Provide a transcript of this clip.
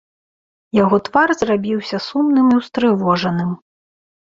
Яго твар зрабіўся сумным і ўстрывожаным.